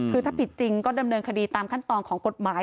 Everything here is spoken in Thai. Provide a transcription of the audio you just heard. คือถ้าผิดจริงก็ดำเนินคดีตามขั้นตอนของกฎหมาย